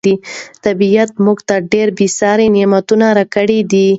طبیعت موږ ته ډېر بې ساري نعمتونه راکړي دي.